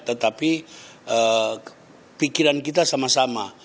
tetapi pikiran kita sama sama